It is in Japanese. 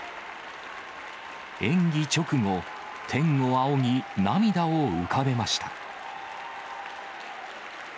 演技直後、天を仰ぎ、涙を浮かべました。